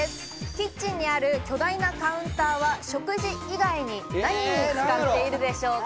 キッチンにある巨大なカウンターは、食事以外に何に使っているでしょうか？